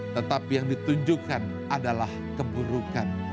tetapi yang ditunjukkan adalah keburukan